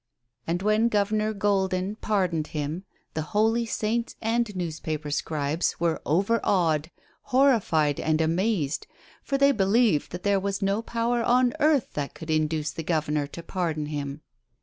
And when Governor Golden pardoned him, the holy saints and newspaiier scribes were over awed, horrified and amazf^d, for they believed that there was no power on earth that could induce the Governor to pardon him.